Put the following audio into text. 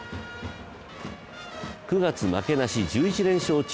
９月負けなし１１連勝中。